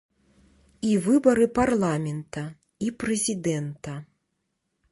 І выбары парламента, і прэзідэнта.